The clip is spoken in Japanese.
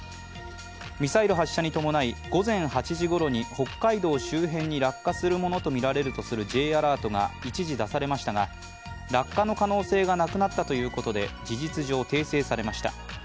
ミサイル発射に伴い午前８時ごろに北海道周辺に落下するものとみられるとするＪアラートが一時、出されましたが落下の可能性がなくなったということで、事実上、訂正されました。